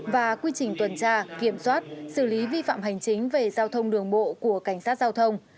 và quy trình tuần tra kiểm soát xử lý vi phạm hành chính về giao thông đường bộ của cảnh sát giao thông